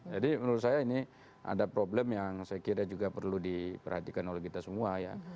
jadi menurut saya ini ada problem yang saya kira juga perlu diperhatikan oleh kita semua ya